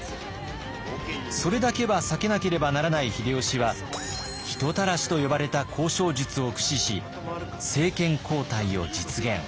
それだけは避けなければならない秀吉は「人たらし」と呼ばれた交渉術を駆使し政権交代を実現。